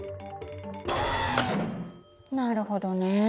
なるほどね。